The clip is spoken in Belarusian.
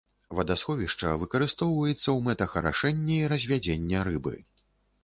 Вадасховішча выкарыстоўваецца ў мэтах арашэння і развядзення рыбы.